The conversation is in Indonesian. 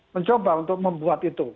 mencoba untuk membuat itu